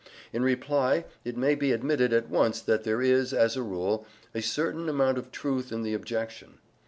In reply, it may be admitted at once that there is, as a rule, a certain amount of truth in the objection.